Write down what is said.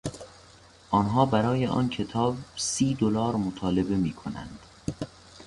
آنها برای آن کتاب سی دلار مطالبه میکنند.